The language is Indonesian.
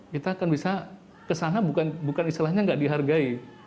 kita akan bisa ke sana bukan istilahnya nggak dihargai